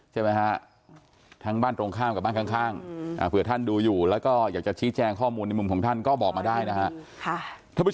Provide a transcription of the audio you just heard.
ใช่ไหมฮะทั้งบ้านตรงข้ามกับบ้านข้างเผื่อท่านดูอยู่แล้วก็อยากจะชี้แจงข้อมูลในมุมของท่านก็บอกมาได้นะฮะ